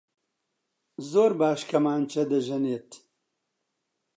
زۆر باش کەمانچە دەژەنێت.